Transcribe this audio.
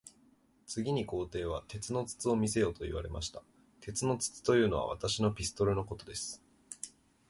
次に皇帝は、鉄の筒を見せよと言われました。鉄の筒というのは、私のピストルのことです。